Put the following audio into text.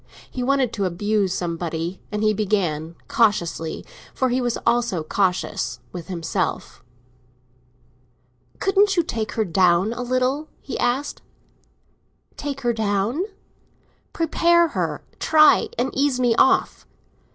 He wanted to abuse somebody, and he began, cautiously—for he was always cautious—with himself. "Couldn't you take her down a little?" he asked. "Take her down?" "Prepare her—try and ease me off."